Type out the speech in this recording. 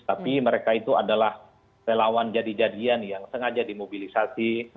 tapi mereka itu adalah relawan jadi jadian yang sengaja dimobilisasi